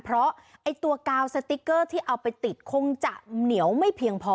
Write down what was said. เพราะไอ้ตัวกาวสติ๊กเกอร์ที่เอาไปติดคงจะเหนียวไม่เพียงพอ